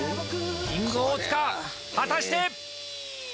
キング大塚果たして！？